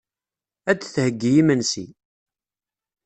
Ad d-theyyi imensi.